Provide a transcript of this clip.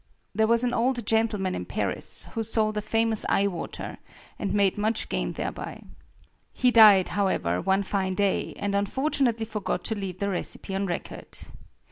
There was an old gentleman in Paris, who sold a famous eye water, and made much gain thereby. He died, however, one fine day, and unfortunately forgot to leave the recipe on record.